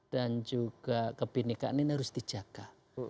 dan juga kebinikan ini harus dijaga